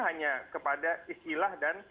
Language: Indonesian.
hanya kepada istilah dan